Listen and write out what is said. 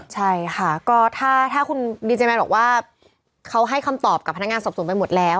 ใช่ค่ะก็ถ้าคุณดีเจแมนบอกว่าเขาให้คำตอบกับพนักงานสอบสวนไปหมดแล้ว